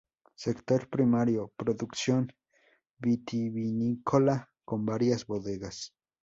Sector primario, producción vitivinícola, con varias bodegas.